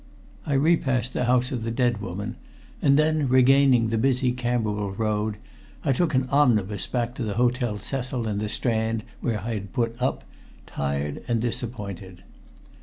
I repassed the house of the dead woman, and then regaining the busy Camberwell Road I took an omnibus back to the Hotel Cecil in the Strand where I had put up, tired and disappointed.